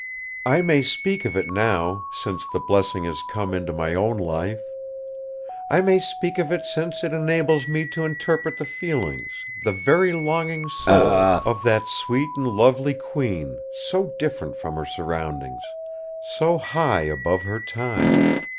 I may speak of it now, since the blessing has come into my own life. I may speak of it since it enables me to interpret the feelings, the very longing soul, of that sweet and lovely Queen, so different from her surroundings, so high above her time!